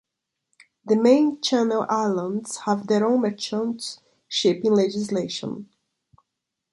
The main Channel Islands have their own Merchant Shipping Legislation.